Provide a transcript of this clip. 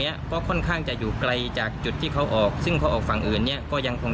เนี้ยก็ค่อนข้างจะอยู่ไกลจากจุดที่เขาออกซึ่งเขาออกฝั่งอื่นเนี้ยก็ยังคง